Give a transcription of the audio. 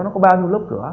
nó có bao nhiêu lớp cửa